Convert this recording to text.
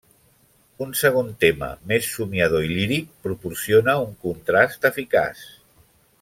Un segon tema, més somiador i líric, proporciona un contrast eficaç.